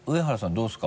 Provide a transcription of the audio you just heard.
どうですか？